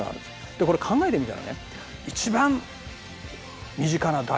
でこれ考えてみたらね一番身近な大自然は空なんですよ。